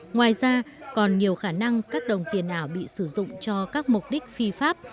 ngoài ra còn nhiều khả năng các đồng tiền ảo bị sử dụng cho các mục đích phi pháp